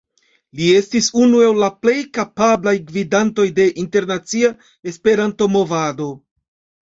Li estis unu el la plej kapablaj gvidantoj de internacia Esperanto-movado.